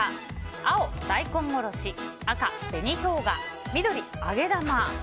青、大根おろし赤、紅ショウガ緑、揚げ玉。